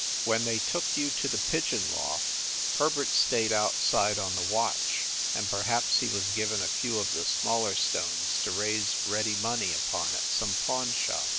When they took you to the pigeon loft Herbert stayed outside on the watch, and perhaps he was given a few of the smaller stones to raise ready money upon at some pawn shop.